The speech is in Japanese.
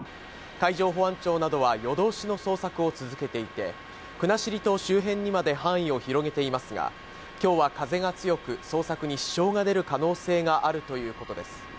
海上保安庁などは夜通しの捜索を続けていて、国後島周辺にまで範囲を広げていますが、今日は風が強く、捜索に支障が出る可能性があるということです。